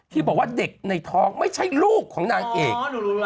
ที่บอกว่าเด็กในท้องไม่ใช่ลูกของนางเอก